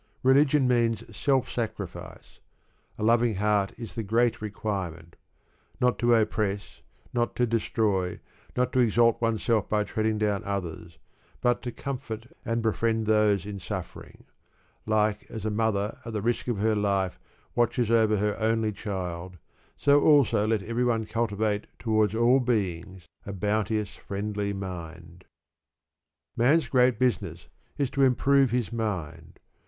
Religion means self sacrifice. A loving heart is the great requirement: not to oppress, not to destroy, not to exalt oneself by treading down others; but to comfort and befriend those in suffering. Like as a mother at the risk of her life watches over her only child, so also let every one cultivate towards all beings a bounteous friendly mind. Man's great business is to improve his mind.